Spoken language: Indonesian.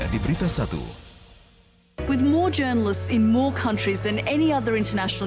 terima kasih pak tirta